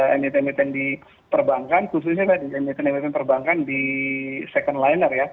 emiten emiten di perbankan khususnya tadi emiten emiten perbankan di second liner ya